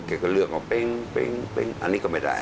แกก็เลือกออกเต้นเต้นเต้นอันนี้ก็ไม่ได้